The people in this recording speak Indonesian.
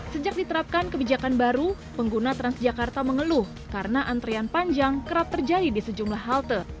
sejak diterapkan kebijakan baru pengguna transjakarta mengeluh karena antrian panjang kerap terjadi di sejumlah halte